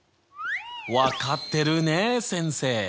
分かってるねえ先生。